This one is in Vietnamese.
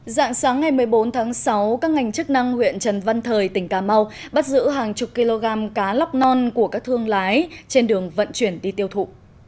dạng sáng ngày một mươi bốn tháng sáu các ngành chức năng huyện trần văn thời tỉnh cà mau bắt giữ hàng chục kg cá lóc non của các thương lái trên đường vận chuyển đi tiêu thụ